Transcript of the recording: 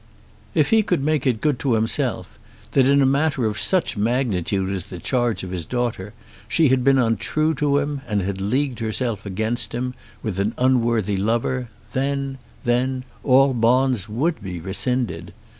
If he could make it good to himself that in a matter of such magnitude as the charge of his daughter she had been untrue to him and had leagued herself against him, with an unworthy lover, then, then all bonds would be rescinded!